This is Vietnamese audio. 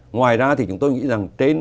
ngoài ra thì chúng tôi nghĩ rằng